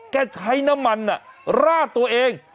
แกใช้น้ำมันน่ะลาดตัวเอง